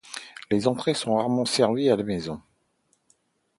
Les entrées sont rarement servies à la maison.